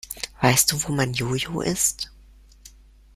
Weißt du, wo mein Jo-Jo ist?